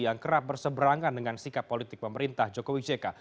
yang kerap berseberangan dengan sikap politik pemerintah jokowi jk